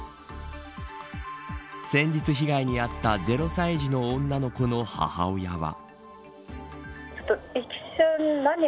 先日被害に遭った０歳児の女の子の母親は。